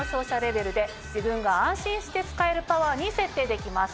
自分が安心して使えるパワーに設定できます。